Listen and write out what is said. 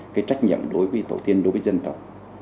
cái trách nhiệm đối với tổ tiên đối với dân tộc